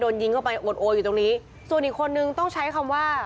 โดนยิงเข้าไปอดโออยู่ตรงนี้ส่วนอีกคนนึงต้องใช้คำว่า